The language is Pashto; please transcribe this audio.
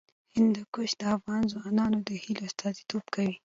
هندوکش د افغان ځوانانو د هیلو استازیتوب کوي.